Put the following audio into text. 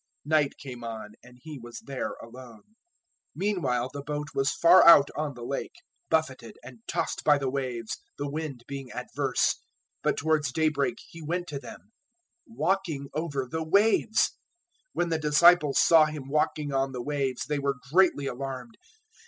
Night came on, and he was there alone. 014:024 Meanwhile the boat was far out on the Lake, buffeted and tossed by the waves, the wind being adverse. 014:025 But towards daybreak He went to them, walking over the waves. 014:026 When the disciples saw Him walking on the waves, they were greatly alarmed.